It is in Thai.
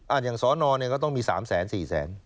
อย่างสอนอเนี่ยก็ต้องมี๓แสนสี่แสน